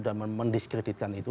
dan mendiskreditkan itu